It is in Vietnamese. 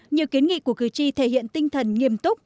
nhiều kiến nghị của cử tri thể hiện tinh thần nghiêm túc